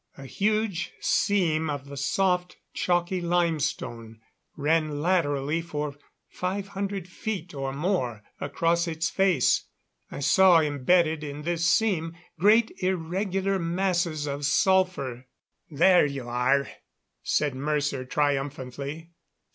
A huge seam of the soft, chalky limestone ran laterally for five hundred feet or more across its face. I saw embedded in this seam great irregular masses of sulphur. "There you are," said Mercer triumphantly.